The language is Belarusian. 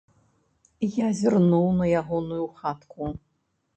Я зірнуў на ягоную хатку.